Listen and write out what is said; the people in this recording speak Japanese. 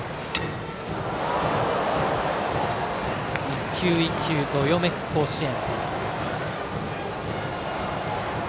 １球１球どよめく甲子園。